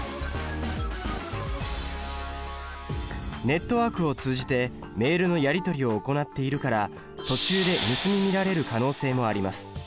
ネットワークを通じてメールのやり取りを行っているから途中で盗み見られる可能性もあります。